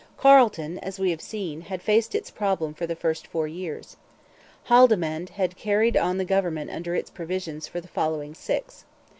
Carleton, as we have seen, had faced its problem for the first four years. Haldimand had carried on the government under its provisions for the following six.